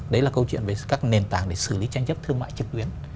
đấy là câu chuyện về các nền tảng để xử lý tranh chấp thương mại trực tuyến